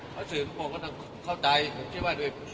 ฝากสื่อกันด้วยด้วยกัน